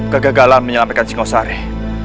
kegagalan menyelamatkan singosari